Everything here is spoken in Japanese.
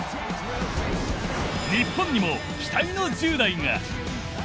日本にも期待の１０代が！